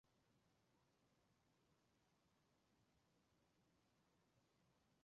哥本哈根市政厅是丹麦哥本哈根的市议会以及市长办公室所在地。